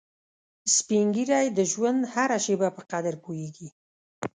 سپین ږیری د ژوند هره شېبه په قدر پوهیږي